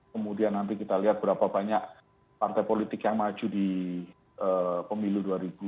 kemudian nanti kita lihat berapa banyak partai politik yang maju di pemilu dua ribu dua puluh